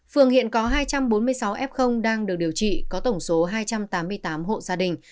phường hiện có hai trăm bốn mươi sáu f đang được điều trị có tổng số hai trăm tám mươi tám hộ gia đình